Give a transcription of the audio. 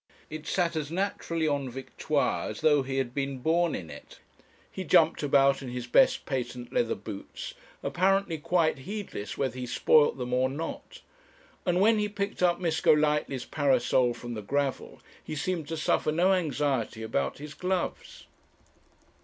It sat as naturally on Victoire as though he had been born in it. He jumped about in his best patent leather boots, apparently quite heedless whether he spoilt them or not; and when he picked up Miss Golightly's parasol from the gravel, he seemed to suffer no anxiety about his gloves.